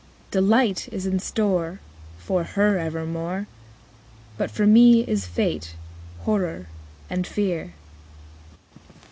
'Delight is in store For her evermore; But for me is fate, horror, and fear.'